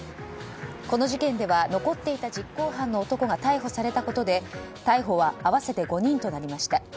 この事件では残っていた実行犯の男が逮捕されたことで逮捕は合わせて５人となりました。